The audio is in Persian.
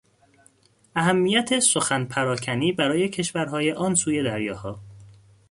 اهمیت سخن پراکنی برای کشورهای آنسوی دریاها